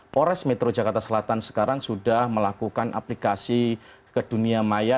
pores metro jakarta selatan sekarang sudah melakukan aplikasi ke dunia maya